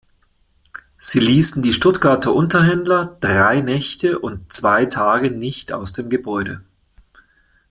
Sie ließen die Stuttgarter Unterhändler drei Nächte und zwei Tage nicht aus dem Gebäude.